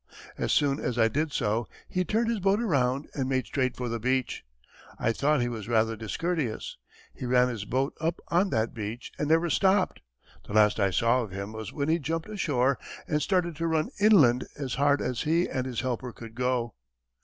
As soon as I did so, he turned his boat around and made straight for the beach. I thought he was rather discourteous. He ran his boat up on that beach and never stopped; the last I saw of him was when he jumped ashore and started to run inland as hard as he and his helper could go.